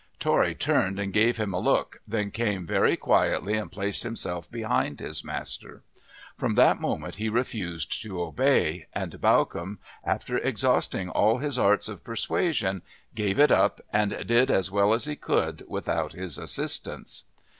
Tory turned and gave him a look, then came very quietly and placed himself behind his master. From that moment he refused to obey, and Bawcombe, after exhausting all his arts of persuasion, gave it up and did as well as he could without his assistance.